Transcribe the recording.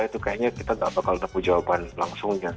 itu kayaknya kita tidak bakal menanggung jawaban langsungnya